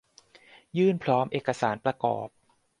ยื่นพร้อมเอกสารประกอบ